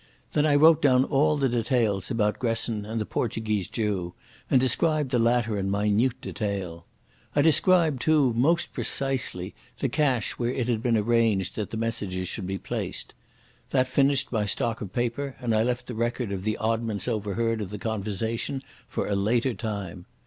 Then I wrote down all the details about Gresson and the Portuguese Jew, and described the latter in minute detail. I described, too, most precisely the cache where it had been arranged that the messages should be placed. That finished my stock of paper, and I left the record of the oddments overheard of the conversation for a later time.